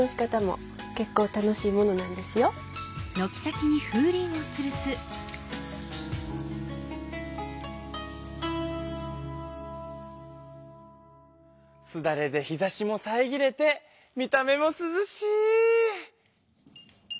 すだれで日ざしもさえぎれて見た目もすずしい！